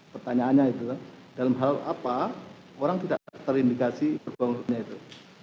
pertanyaannya itu dalam hal apa orang tidak terindikasi berbohongutnya itu